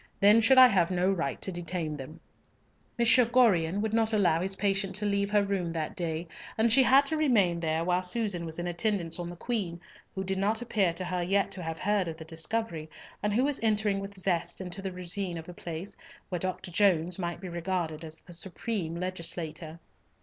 Then should I have no right to detain them." M. Gorion would not allow his patient to leave her room that day, and she had to remain there while Susan was in attendance on the Queen, who did not appear to her yet to have heard of the discovery, and who was entering with zest into the routine of the place, where Dr. Jones might be regarded as the supreme legislator.